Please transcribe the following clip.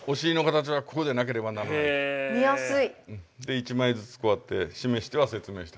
１枚ずつこうやって示しては説明した。